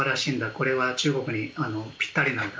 これは中国にぴったりなんだ